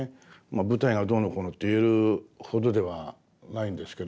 舞台がどうのこうのって言えるほどではないんですけど。